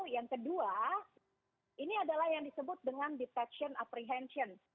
yang kedua ini adalah yang disebut dengan detection apprehension